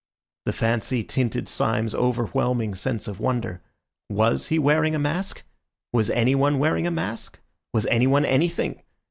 The fancy tinted Syme's overwhelming sense of wonder. Was he wearing a mask? Was anyone wearing a mask? Was anyone anything?